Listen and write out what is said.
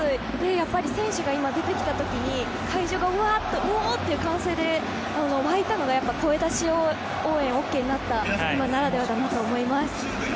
やっぱり選手が出てきた時に会場がうおーっという歓声で沸いたのが声出し応援ＯＫになったならではだなと思います。